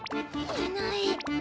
いない！